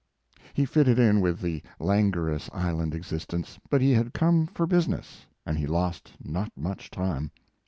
He fitted in with the languorous island existence, but he had come for business, and he lost not much time.